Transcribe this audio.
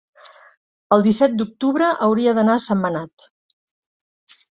el disset d'octubre hauria d'anar a Sentmenat.